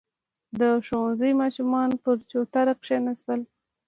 • د ښوونځي ماشومان پر چوتره کښېناستل.